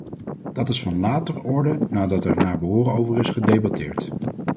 Dat is van later orde, nadat er naar behoren over is gedebatteerd.